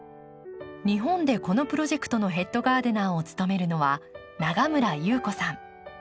日本でこのプロジェクトのヘッドガーデナーを務めるのは永村裕子さん。